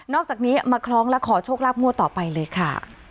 อกจากนี้มาคล้องและขอโชคลาภงวดต่อไปเลยค่ะ